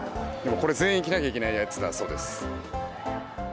これは全員着ないといけないやつだそうです。